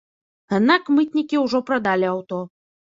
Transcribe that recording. Аднак мытнікі ўжо прадалі аўто.